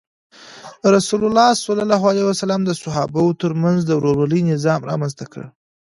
رسول الله د صحابه وو تر منځ د ورورولۍ نظام رامنځته کړ.